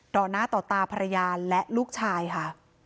หน้าต่อตาภรรยาและลูกชายค่ะ